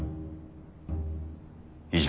以上。